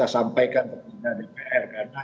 sampaikan kepada dpr karena